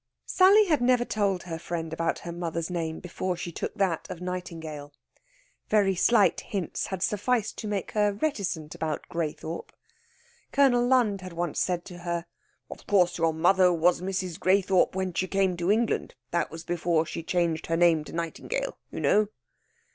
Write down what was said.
Sally had never told her friend about her mother's name before she took that of Nightingale. Very slight hints had sufficed to make her reticent about Graythorpe. Colonel Lund had once said to her: "Of course, your mother was Mrs. Graythorpe when she came to England; that was before she changed her name to Nightingale, you know?"